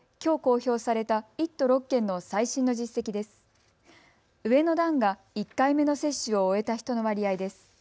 上の段が１回目の接種を終えた人の割合です。